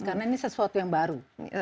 karena ini sesuatu yang baru